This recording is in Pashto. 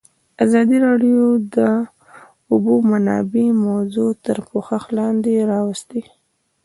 ازادي راډیو د د اوبو منابع موضوع تر پوښښ لاندې راوستې.